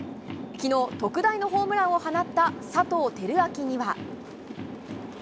きのう、特大のホームランを放った佐藤輝明には。